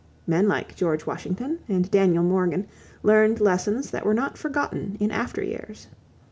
Men like George Washington and Daniel Morgan learned lessons that were not forgotten in after years.